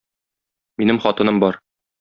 Минем хатыным бар.